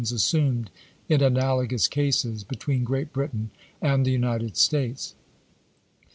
tious assumed, iu analogous cases, between Great Britain and the United States.